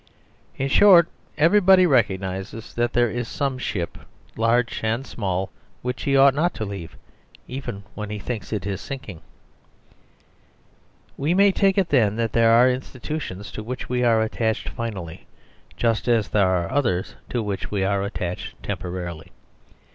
In short, everybody recog nises that there is some ship, large and small, which he ought not to leave, even when he thinks it is sinking. We may take it then that there are institu tions to which we are attached finally; just as there are others to which we are attached temporarily.